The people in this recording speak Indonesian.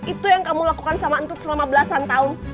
itu yang kamu lakukan sama entut selama belasan tahun